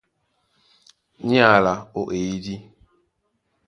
Ní alá ó eyídí.